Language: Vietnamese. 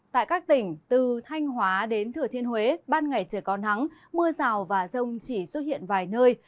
tại các tỉnh từ thanh hóa đến thừa thiên huế ban ngày trời có nắng mưa rào và rông chỉ xuất hiện vài nơi